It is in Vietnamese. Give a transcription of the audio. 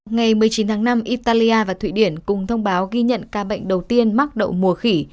ngày một mươi chín tháng năm italia và thụy điển cùng thông báo ghi nhận ca bệnh đầu tiên mắc đậu mùa khỉ